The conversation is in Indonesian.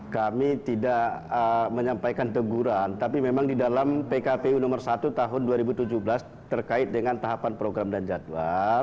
kami tidak menyampaikan teguran tapi memang di dalam pkpu nomor satu tahun dua ribu tujuh belas terkait dengan tahapan program dan jadwal